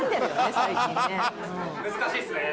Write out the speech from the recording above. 難しいっすね。